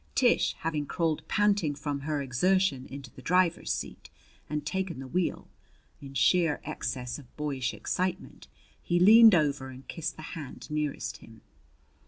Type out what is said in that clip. Tish having crawled panting from her exertion into the driver's seat and taken the wheel, in sheer excess of boyish excitement he leaned over and kissed the hand nearest him.